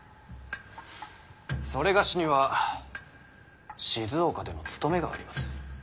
某には静岡での務めがあります。